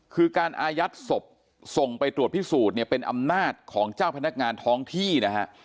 คือการอายัดศพส่งไปตรวจพิสูจน์เนี่ยเป็นอำนาจของเจ้าพนักงานท้องที่นะฮะ